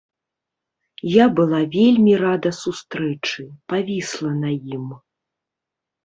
Я была вельмі рада сустрэчы, павісла на ім.